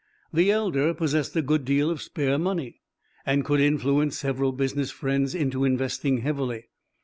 The elder possessed a good deal of spare money, and could influence several business friends into investing heavily.